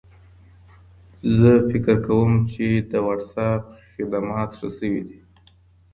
زه فکر کوم چې د وټساپ خدمات ښه شوي دي.